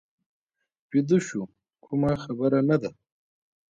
بیده شو، کومه خبره نه ده.